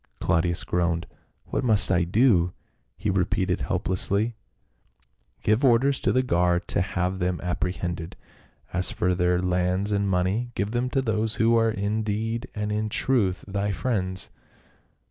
Claudius groaned. "What must I do?" he re peated helplessly. CLAUDIUS C^SAR. 219 " Give orders to the guard to have them appre hended. As for their lands and moneys, give them to those who are in deed and in truth thy friends."